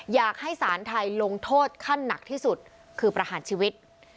อยากให้สารไทยลงโทษขั้นหนักที่สุดคือประหารชีวิต